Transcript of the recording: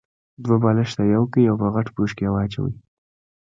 دوه بالښته يو کړئ او په غټ پوښ کې يې واچوئ.